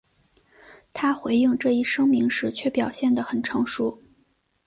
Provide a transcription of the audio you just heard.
他回应这一声明时却表现得很成熟。